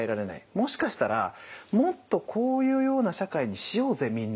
もしかしたら「もっとこういうような社会にしようぜみんな！」